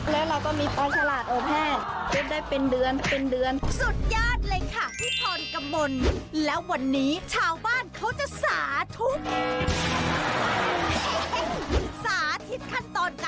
แล้วเราก็มีปลาชะหลาดโอแพทย์